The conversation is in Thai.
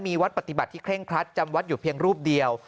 มีวัดปฏิบัติที่เคร่งครัดจำวัดอยู่เพียงรูปเดียว